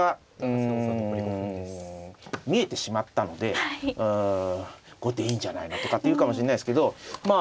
これがうん見えてしまったので後手いいんじゃないのとかって言うかもしれないですけどまあ